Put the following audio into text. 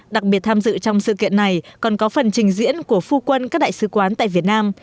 đặc biệt tham dự trong sự kiện này còn có phần trình diễn của phu quân các đại sứ quán tại việt nam